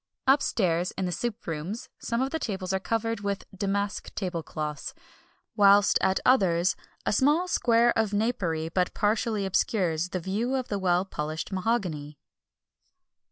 Upstairs, in the soup rooms, some of the tables are covered with damask tablecloths, whilst at others a small square of napery but partially obscures the view of the well polished mahogany.